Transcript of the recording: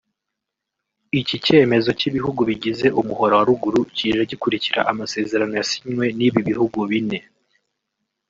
Iki cyemezo cy’ibihugu bigize umuhora wa Ruguru kije gikurikira amasezerano yasinywe n’ibi bihugu bine